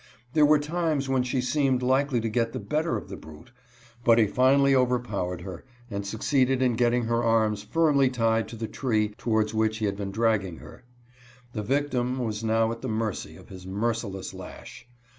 There were times when she seemed likely to get the bet ter of the brute, but he finally overpowered her and sue UNLAMENTED DEATH OP AN OVERSEER. 59 ceeded in getting her arms firmly tied to the tree towards which he had been dragging her. The victim was now at the mercy of his merciless lash.